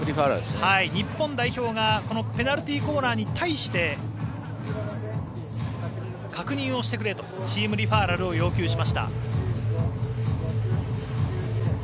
日本代表がこのペナルティーコーナーに対して確認をしてくれとチームリファーラルを要求しました。